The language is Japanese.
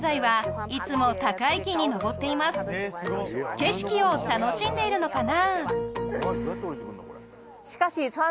景色を楽しんでいるのかな？